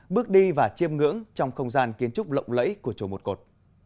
bước đi và chiêm ngưỡng trong không gian kiến trúc lộng lẫy của chùa một cột